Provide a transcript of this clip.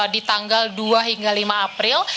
di tanggal dua hingga lima april